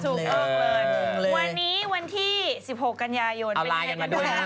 ถูกต้องเลยวันนี้วันที่๑๖กันยายนเอาไลน์กันมาด้วย